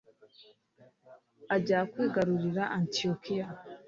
ajya kwigarurira antiyokiya